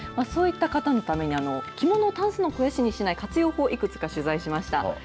そういった方のために着物をタンスの肥やしにしない活用法、いくつか取材しました。